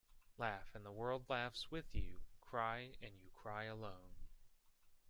Laugh and the world laughs with you. Cry and you cry alone.